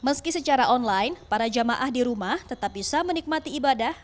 meski secara online para jamaah di rumah tetap bisa menikmati ibadah